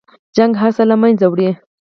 جګړه هر څه له منځه وړي